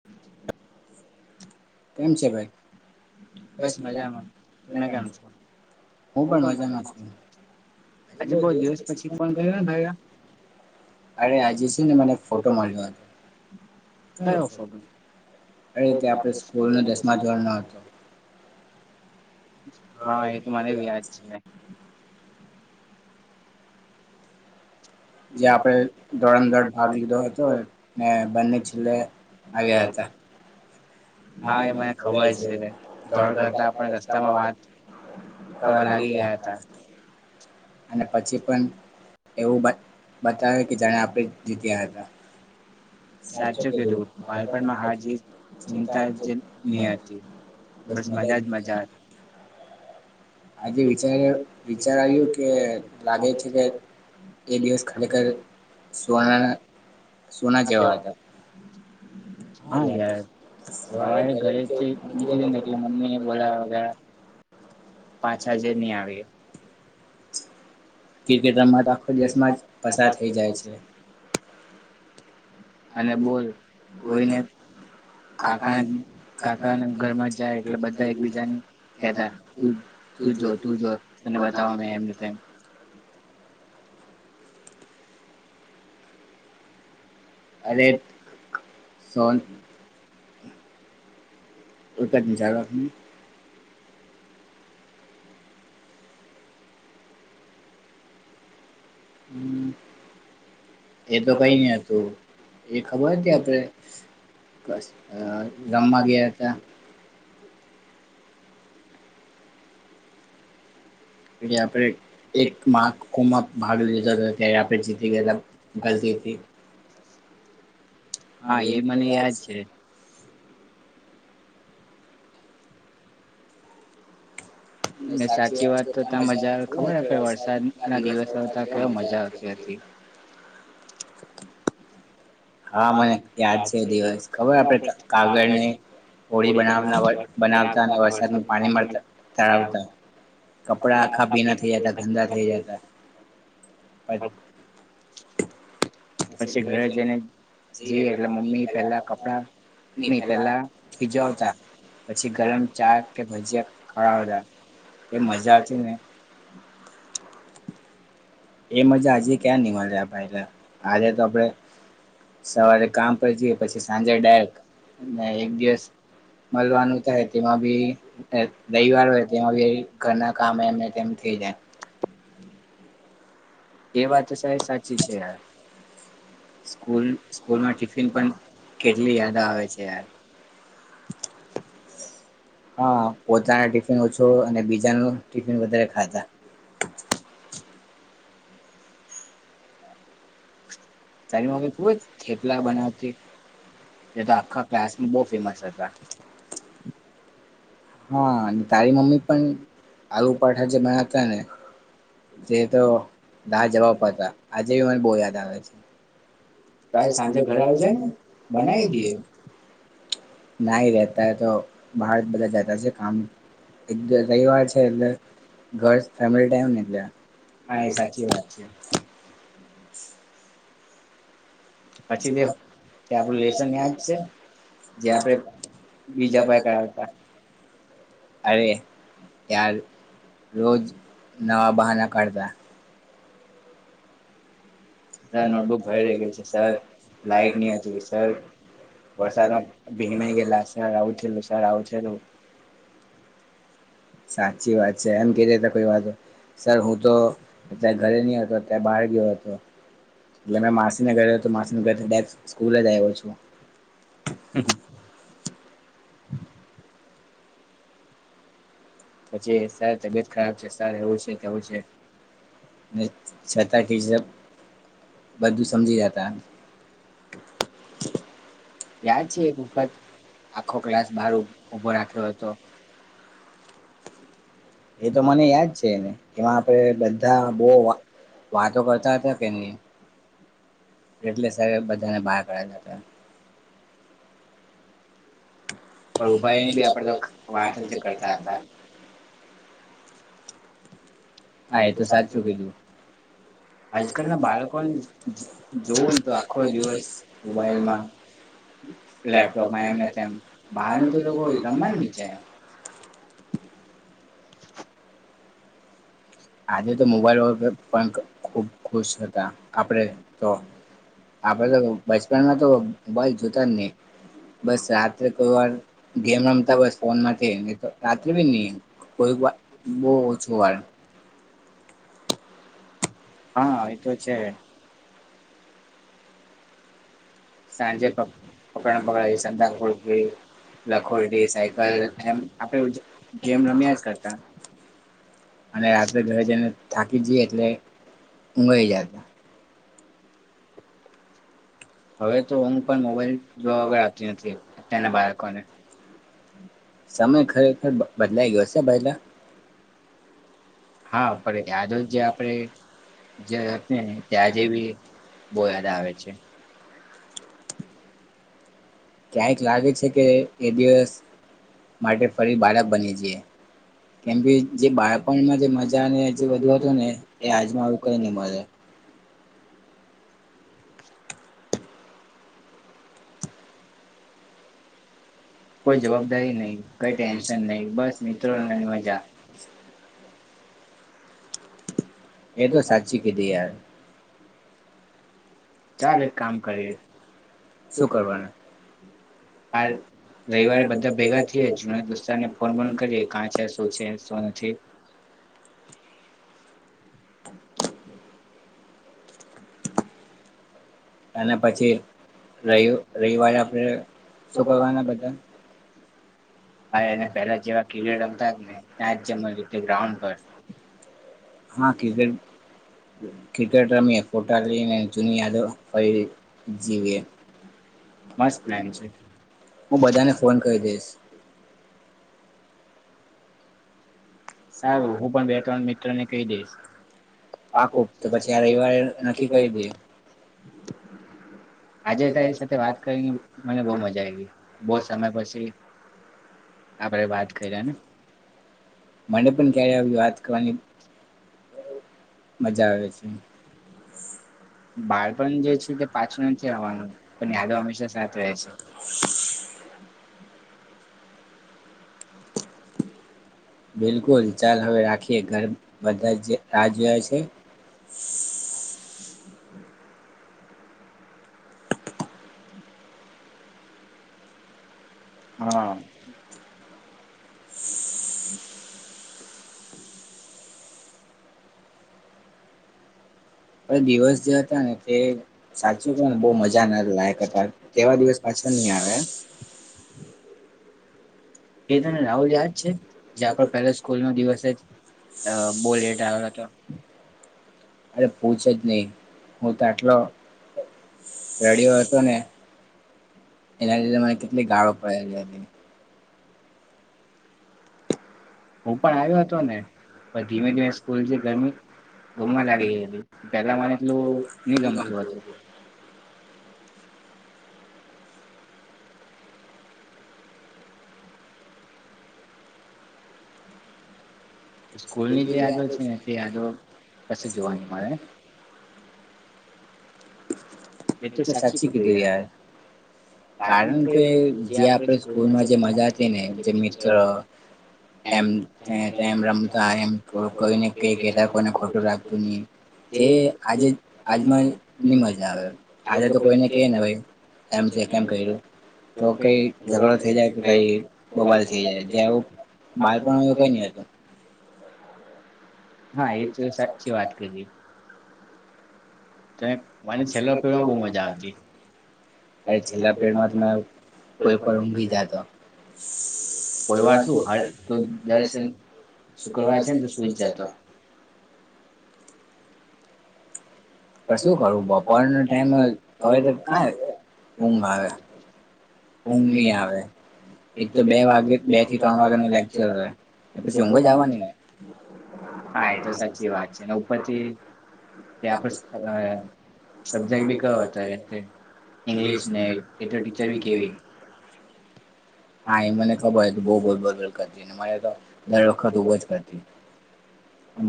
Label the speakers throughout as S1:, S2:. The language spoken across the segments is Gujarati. S1: [inaudible]
S2: કેમ છે ભાઈ બસ મામાં હું પણ મજામાં છ હજે બો સ્પ ફન અરે આજે છે ને મને એક ફોટો મળ્યો આજ અરે આપણે સ્કૂલ ન દસમા ધોરણ ન હતો
S1: હા એ તો મરે યાદ છે
S2: જે આપણે દોડ દોડ ભાગ લીધો હતો ને બંને છેલ્લે આવ્યા હતા હા એ મને થય છે તણ કરતા રસ્તામાં વાત કરવાવા લાગી ગયા હતા અને પછી પણ એવું બતાવે કે જાણે આપણે જીત્યા હતા સાચો કધું બાારણ ચિંતા બસ મદદ આજે વિચાર વિચાર્યું કે લાગે છે કે એ દિવસ ખરેખર સુવર્ણના સોના જેવા હતા હા ાર સવારે ક બ આવે
S1: પાછા જે નહી આવી- -
S2: ક્રિકેટ રમાત આખો દેશમાં જ પસાર થઈ જાય છે. અને બ કોઈ ન- -
S1: કાકાના કાકાના ઘરમાં જાય એટલે બધા એકબીજાની- -
S2: ત બતા- - અરે સોન- - કો કની ચો આપને- - હમ. એ તો કઈ નહ હતું એ ખબર હતી આપડે- - રમવા ગયા હતા.
S1: આપણે એક કડણે જ- - હા એ મને યાદ છે. ને સાચી વાત તો ત્યાં મજા ખબર આપે વરસાદ ના દિવસો ત્યાં કેવ મજા આવતી હતી? હા મને યાદ છે દે ખબર આપડે કાગળ- - હોળી બનાવતા અને વરસાદ પાણીરાતા- - કપડા આખા ભીના થયા હતાા થઈ- - પછી ઘરે જઈને- - જી એટલે મમ્મી પેહલા કપડા નની પેલા ખીજવતા. પછી ગરમ ચા કે ભજીયા ખળાવતાા- -
S2: એ મજા આવે છે. એ મજા હજે ક્યાં નીવાળ્યા ભાઈ આજે તો આપડે- - સવારે કામ પર જ પછી સાંજે ડાયરેક અને એક દિવસ- - મળવાનું થ તેમાં બી રવવાર હો તેમાં બી ઘરના કા એ તેમ થઈ જાય. એ વાત તો સ સાચી- - સ્કૂલમાં ટિફિન પણ કેલીદા આવે છે? હા પોતાના ટિફિન ઓછો અને બીજા ન ટિફિન વધારે ખાધા- -
S1: તારી મમ્મી ખુબ જ થેપલા બનાવતી એ તો આખા ક્લાસમાં બહ ફેમસ હતા.
S2: હા તારી મમ્મી પણ આલુ પઠા જે બનાતા ને- - જે તો દા જવાબ પ હતા આજે બી મને બહુ યાદ આવે છે. તો સાંજે ઘર આવી જાય ને બનાવી દે નાઈ રતા હ તો- - બહાર બધા જતા છે કામ- - એક રવિવાર છે એટલે ઘર ફેમિલી ટાઈમ ને એટલે- - હા એ સાચી વાત.
S1: પછી તે તે આપડું લેસન યાદ છે? જે આપડે બીજા ભાઈ કરાવતા- -
S2: અરે યાર- - રોજ નવા બહના કાઢતા. નોટફાઈલી છે સર લાઈક નહી હતી સર- - વરસાદમા આવ છે આવું છે. સાચી વાત છે એમ કે રે ત કોઈ વાતો- - સર હું તો ત્યાં ઘરે નહ હતો ત્યાં બહાર ગયો હતો. એટલે મેં માસીને ઘરે તો માસી ઘરેા સ્કૂલ જ આવ્યો છું.
S1: હમ હમ.
S2: પી સારી તબિયત ખરાબ છે સાર એ છે કેય છે. છાતા- - બધું સમજી જતા. યાદ છે આખો ક્લાસ બભો રાખ્યો હતો? એ તો મને યાદ છે ને એમાં આપણે બધા બહુ વાતો કરતા હતા કે નહીં એટલે સાહે બધાને બહાર કાઢેલા હતા
S1: પણ ઉભાની બી આપડે તો વાત જ કરતા હતા
S2: હા એ તો સાચું કીધું આજકાલ માળ જો આખો જ મોબાઈલમાં લેપટોપ એમને તો કોઈ જવા આજે તો મોબાઈલ વ પણ ખુબ ખુશ હતા આપણે તો આપડે તો બચપનમાં તો મોબાઈલ જોતા જ નહી બસ રાત્રે કોઈ વાર ગેમ રમતા બસ ફોન માંથી તો રાત્રે બી નહી કોઈક વાર બહ ઓછો વાર
S1: હા એ તો છે
S2: સાંજેણ છે સતાાનપટલે લખોટી સાયકલ આપ ગમ બમ્યા કરતા અને રાત્રે ઘરે જઈને થાકી જઈ એટલે ઉમળી જતા હવે તો એમ પણ હવે સમય ખરેખર બદલાઈ ગયો છે પહેલા
S1: હા પણ આજે જે આપડણે જે હત ને ત્યાંજે બી બહુ યાદ આવે છે
S2: ક્યાંક લાગે છે કે એ દિવસ માટે ફરી બાળક બની જએ કેમ કે જે બાળપણમાં જે મજા ને જે વધુ હતું ને એ આજમાં આવું કરી નને મળે
S1: [inaudible] કોઈ જવાબદારી નહી કઈ ટેન્શન નહીિ બસ મિત્રો મજા
S2: એ તો સાચી કીધી યાર ચાલે ફ કરી શું કરવાનું રવિવાર બધા ભેગા જોયા [inaudible] અને પછી રવ રવિવારે આપણે શું કરવાના બધા [inaudible]
S1: હા એને પેલા જેવા ખિડડ રમતા ને ત્યાં જ રીતે ગ્રાઉન્ડ પર
S2: હા કેર ક્રિકેટ રમી પોટાલીિન જૂની યાદોરી જીવી મસ્ત હું બધાને ફોન કરી દઈશ સારું બે પાકું તો પછી રવિવારે નક્કી કરી દે
S1: આજે તારી સાથે વાત કરીને મને બહુ મજા આવી બહ સમય પછી આપડે વાત કરીએ ને.
S2: મને પણ ક્યારે આવી વાત કરવાની મજા આવે છે
S1: બાળપણ જે છે તે પાછું નથી આવવાનું પણ યાદો હંમેશા સાથ રહે છે.
S2: બિલકુલ ચાલ હવે રાખીએ ઘર બધા જ રાહ જોયા છે.
S1: હા.
S2: દિવસ જે હતા ને તે સાચું કર ને બહ મજા ના લાયક હતા. તેવા દિવસ પાછા નહી આવે.
S1: કેતન રાહુલ યાદ છે જ્યાં પહેલા સ્કૂલ નો દિવસ જ અ બોલટાલ તો
S2: અને પૂછ જ નહીં હું તો આટલો રડિયો હતો ને એના લીધે મને કેટલી ગાળો પડેલી હતી.
S1: હું પણ આવ્યો હતો ને પણ ધીમે ધીમે સ્કૂલ જે ગરમી ગમવા લાગી ગય હતી પેલા મને એટલું નહી ગમતું હતું. સ્કૂલ ની જે યાદો છે ને તે યાદો કશે જોવાની મારે.
S2: એટ સાચી કીધુ યાર. કારણ કે જે આપણે સ્કૂલમાં જે મજા હતી ને જે મિત્ર એમ રમતા એમ કોને કઈ કતા કોઈને ખોટું લખતું નહી. તે આજે આજમાં ની મજા આવે. આજે તો કોઈને ક ને ભાઈ એમ છે, એમ કર્યું. તો કઈ ઝઘડો થઈ જાય કે કઈ બબાલ થઈ જાય જે બારપણ આવ કઈ નહ હતું.
S1: હા એ તો સાચી વાત કરીએ ત મને છેલ્લર પીવામાં બહુ મજા આવતી. છેલ્લાેમાંર કોઈ પણ જાતો કોઈ વાર શું હાલ તો દર્શન શુક્રવાર છે, ને તો સુઈ જ જતો.
S2: શું કરવું બપોર ના ટાઈમ હવે તો કં ઊંઘ આવે. ઉઊ આવે એક તો બે વાગે બે થી ત્રણ વાગે ન લેક્ચર એ પછી ઊંઘ જવાની. હા એ તો સાચી વાત છે, પછી શબ્જેક બી કયો હતો ઇંગ્લિશ ને એટલું બી [inaudible] હા, એ મને ખબર હો ત બહુ બોલ બલ કરતીને મારે તો દર વખત ઉભ જ કરતી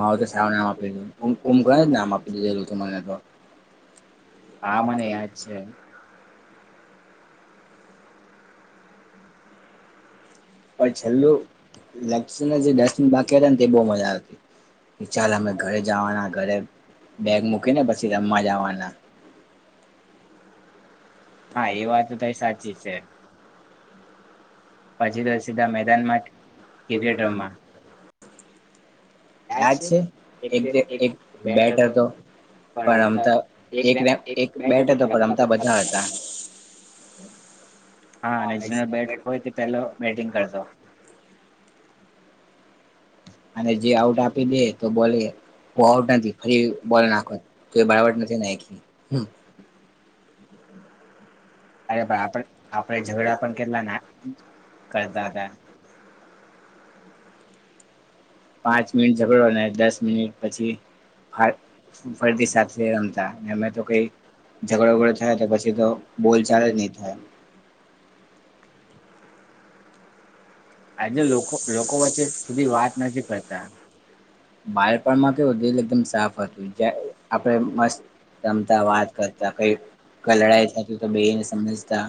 S2: મારોું તો સારું નામ આપી કુમક નામ આપી દીધે એ હતું મને તો
S1: હા મને યાદ છે.
S2: પણ છેલ્લું લ જે બાકી હતા ને તે બહ મજાતી. ચાલ અમે ઘરે જવાના ઘરે બેગ મૂકી ને પછી રમવા જવાના હા એ વાત ક સાચી છે. પછી તો સી મેદાનમાં
S1: યાદ છે, એક એક બેટ હતો. પરમતા એક એક બેટ હતા પરમતા બધા હા અને જે બેટ હોય તે પેલો બેટિંગ કરતો.
S2: અને જે આઉટ આપી દે તો બોલે. આઉટ નથી, ફરી બોલ નાખવા બરાબર નથી.
S1: અરે પણ આપ આપડ ઝઘડા પણ કેટલા ના કરતા હતા.
S2: પાંચ મિનિટ ઝગડો દસ મિનિટ પછી ફરતી સાથે રમતા અમે તો કઈ ઝઘડો ઓગડો થાય તો પછી તો બોલ ચાલે જ નહી થાય. લોકો વચ્લી વાત નથી કરતા પણમાં કેવું દિલ એકદમ સાફ હતું જ આપણે મસ્ત રમતા વાત કરતા કઈક લડાઈ થતી તો બેને સમજતા.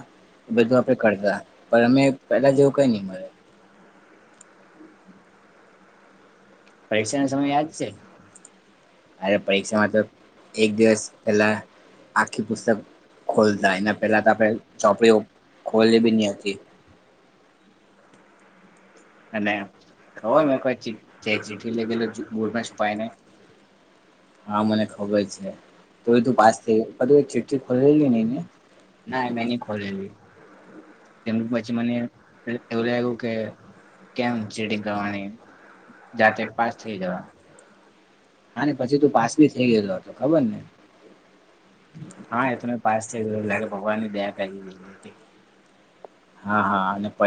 S2: બધું આપડે કરતા પણ અમે પેલા જેવું કઈ નહી મળરે
S1: પરીક્ષા ન સમય યાદ છે. પરીક્ષામાં તો એક દિવસ પેલા ખું પેલા તો આપણે ચોપ ખોલી બી નહ હતી. અને ખબર મે કોઈ જે ચિઠ્ઠી લેલું બૂટ છુપાઈને હા મને ખબર છે થધું પાસ થઈ ચિઠ્ઠી થડી ન ના મે ન ખોલેલી.
S2: [inaudible]
S1: તેમ પછી મને એવું લાગ્યું કે કેમ સીટીંગ કરવાની જાતે પાસ થઇ જવા હા પછી તું પાસ બી થઇ ગય હતો ખબર ને હા એ તો મે પાસ થ લાગે ભગવાનની દયા કરી દેધ હતી.
S2: હા હા અને પ